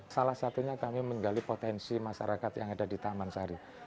salah satunya kami menggali potensi masyarakat yang ada di taman sari